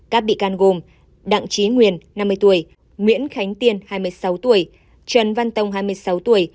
các bị can gồm đặng trí nguyên năm mươi tuổi nguyễn khánh tiên hai mươi sáu tuổi trần văn tông hai mươi sáu tuổi